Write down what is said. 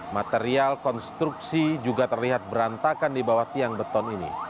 material konstruksi juga terlihat berantakan di bawah tiang beton ini